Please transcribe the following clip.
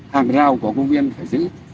hàng rào của công viên phải giữ